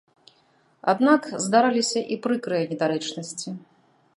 Аднак здараліся і прыкрыя недарэчнасці.